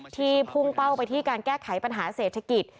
พุ่งเป้าไปที่การแก้ไขปัญหาเศรษฐกิจ